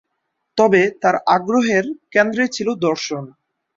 তবে তার আগ্রহের কেন্দ্রে ছিল দর্শন।